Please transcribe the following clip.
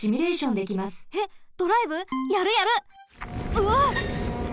うわっ！